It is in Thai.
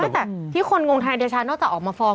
แต่ที่คนงงทนายเดชานอกจากออกมาฟ้อง